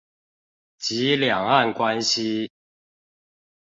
及兩岸關係